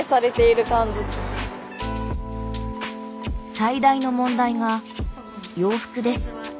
最大の問題が洋服です。